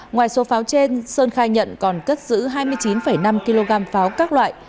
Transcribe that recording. ngoài số pháo trên sơn khai nhận còn cất giữ hai mươi chín năm kg pháo